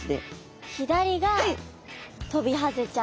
左がトビハゼちゃん。